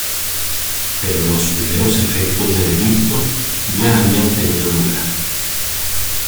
Pero los primeros efectos del Edicto ya habían tenido lugar.